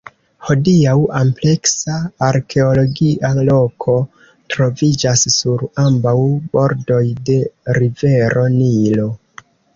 Hodiaŭ ampleksa arkeologia loko troviĝas sur ambaŭ bordoj de rivero Nilo.